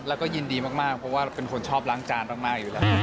แล้วก็ยินดีมากเพราะว่าเป็นคนชอบล้างจานมากอยู่แล้ว